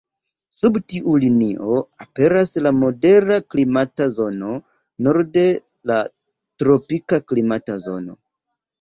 Sub tiu linio aperas la modera klimata zono, norde la tropika klimata zono.